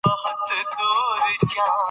د هغه چا خبره خلکو په سروو کې يې نينې کړې .